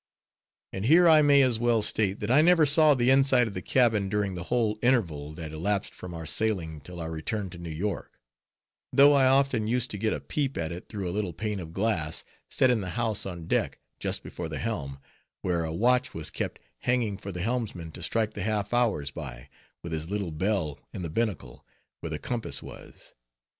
And here I may as well state, that I never saw the inside of the cabin during the whole interval that elapsed from our sailing till our return to New York; though I often used to get a peep at it through a little pane of glass, set in the house on deck, just before the helm, where a watch was kept hanging for the helmsman to strike the half hours by, with his little bell in the binnacle, where the compass was.